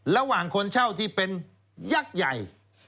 ระหว่างคนเช่าที่เป็นยักษ์ใหญ่